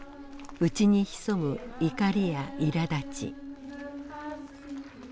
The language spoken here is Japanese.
内に潜む怒りやいらだち。